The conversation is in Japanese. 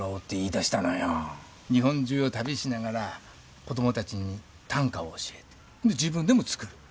日本中を旅しながら子供たちに短歌を教えて自分でも作る。